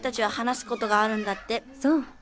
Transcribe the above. そう。